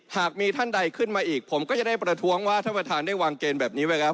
หากมีท่านใดขึ้นมาอีกผมก็จะได้ประท้วงว่าท่านประธานได้วางเกณฑ์แบบนี้ไว้แล้ว